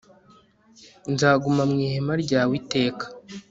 nzaguma mu ihema ryawe iteka